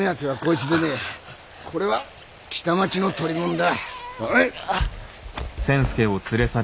これは北町の捕り物だ。